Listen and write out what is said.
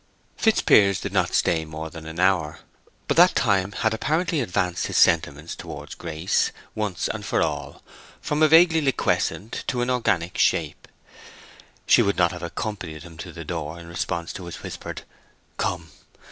Fitzpiers did not stay more than an hour, but that time had apparently advanced his sentiments towards Grace, once and for all, from a vaguely liquescent to an organic shape. She would not have accompanied him to the door in response to his whispered "Come!"